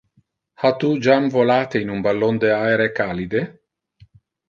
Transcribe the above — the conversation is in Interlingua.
Ha tu jam volate in un ballon de aere calide?